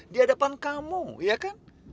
di depan kamu iya kan